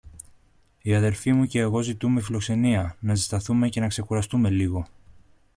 Η αδελφή μου κι εγώ ζητούμε φιλοξενία, να ζεσταθούμε και να ξεκουραστούμε λίγο.